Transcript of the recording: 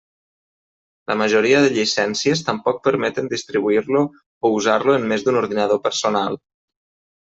La majoria de llicències tampoc permeten distribuir-lo o usar-lo en més d'un ordinador personal.